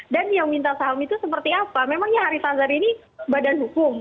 dan yang minta saham itu seperti apa memangnya hari sajar ini badan hukum